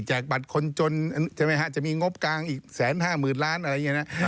บัตรคนจนใช่ไหมฮะจะมีงบกลางอีก๑๕๐๐๐ล้านอะไรอย่างนี้นะ